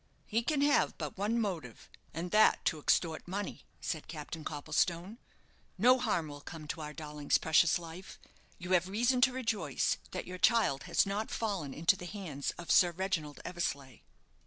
"He can have but one motive, and that to extort money," said Captain Copplestone. "No harm will come to our darling's precious life. You have reason to rejoice that your child has not fallen into the hands of Sir Reginald Eversleigh."